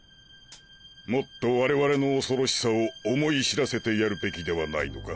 もっと我々の恐ろしさを思い知らせてやるべきではないのか？